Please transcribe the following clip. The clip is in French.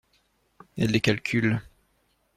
Elle les calcule.